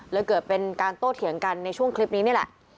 เกิดเป็นการโต้เถียงกันในช่วงคลิปนี้นี่แหละ